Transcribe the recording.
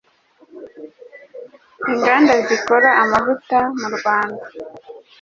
inganda, zikora amavuta mu rwanda